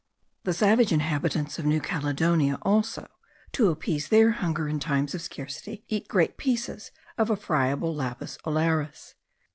The savage inhabitants of New Caledonia also, to appease their hunger in times of scarcity, eat great pieces of a friable Lapis ollaris.